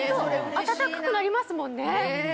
温かくなりますもんね。